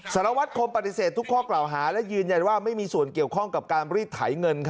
สารวัตรคมปฏิเสธทุกข้อกล่าวหาและยืนยันว่าไม่มีส่วนเกี่ยวข้องกับการรีดไถเงิน